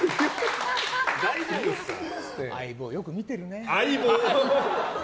相棒、よく見てるね。